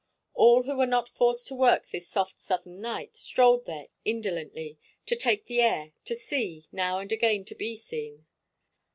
All who were not forced to work this soft southern night strolled there indolently, to take the air, to see, now and again to be seen.